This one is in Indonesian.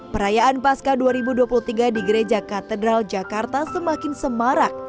perayaan pasca dua ribu dua puluh tiga di gereja katedral jakarta semakin semarak